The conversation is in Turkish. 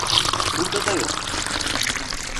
Burada da yok.